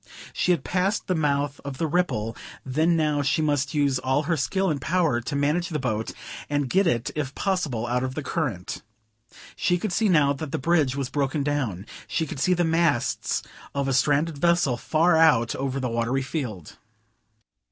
She had passed the mouth of the Ripple, then; now, she must use all her skill and power to manage the boat and get it if possible out of the current. She could see now that the bridge was broken down; she could see the masts of a stranded vessel far out over the watery field.